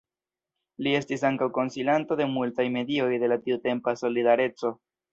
Li estis ankaŭ konsilanto de multaj medioj de la tiutempa Solidareco.